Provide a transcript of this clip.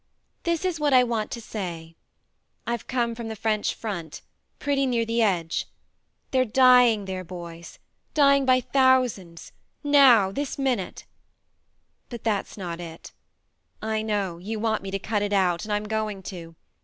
"This is what I want to say. I've come from the French front pretty near the edge. They're dying there, boys dying by thousands, now, this minute. ... But that's not it I know : you want me to cut it out and I'm going to.